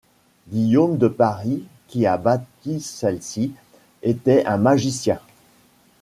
Guillaume de Paris, qui a bâti celle-ci, était un magicien.